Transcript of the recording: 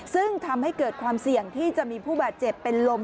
ซึ่งทำให้เกิดความเสี่ยงที่จะมีผู้บาดเจ็บเป็นลม